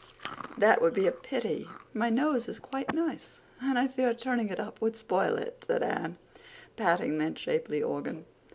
"That would be a pity; my nose is quite nice, but I fear turning it up would spoil it," said Anne, patting that shapely organ.